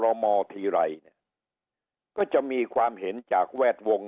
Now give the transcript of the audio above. กระทรวงกระทรวงหนึ่งที่เวลามีการปรับคอโรมทีไรก็จะมีความเห็นจากแวดวง